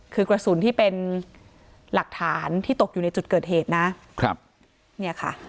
คือกระสุนที่เป็นหลักฐานที่ตกอยู่ในจุดเกิดเหตุนะครับเนี่ยค่ะ